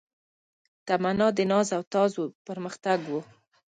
تمنا د ناز او تاز و پرمختګ و